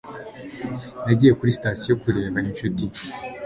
Nagiye kuri sitasiyo kureba inshuti.